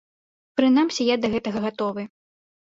Прынамсі я да гэтага гатовы.